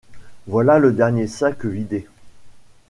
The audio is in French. Voilà le dernier sac vidé!